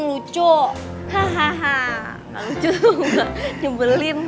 kakak lucu tuh nggak nyebelin